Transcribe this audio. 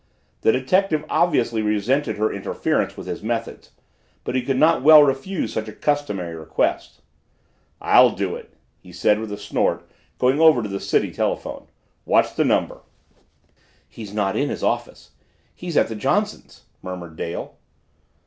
The detective obviously resented her interference with his methods but he could not well refuse such a customary request. "I'll do it," he said with a snort, going over to the city telephone. "What's his number?" "He's not at his office; he's at the Johnsons'," murmured Dale.